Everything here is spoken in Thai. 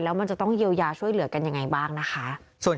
แล้วมันจะต้องเยียวยาช่วยเหลือกันยังไงบ้างนะคะ